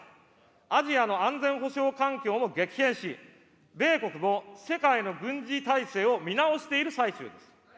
アジアの安全保障環境も激変し、米国も世界の軍事態勢を見直している最中です。